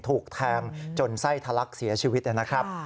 ถูกแทงจนไส้ทะลักเสียชีวิตนะครับ